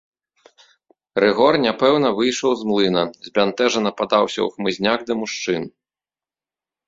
Рыгор няпэўна выйшаў з млына, збянтэжана падаўся ў хмызняк да мужчын.